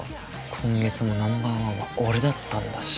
今月もナンバーワンは俺だったんだし。